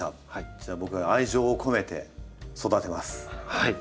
じゃあ僕が愛情を込めて育てます！